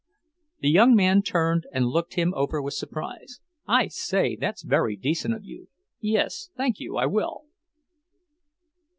The young man turned and looked him over with surprise. "I say, that's very decent of you! Yes, thank you, I will."